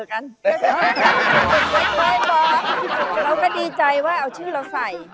เราก็ดีใจว่าเอาชื่อเราใส่